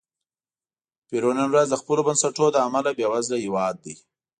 پیرو نن ورځ د خپلو بنسټونو له امله بېوزله هېواد دی.